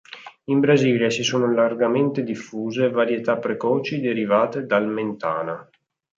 In Brasile si sono largamente diffuse varietà precoci derivate dal "Mentana".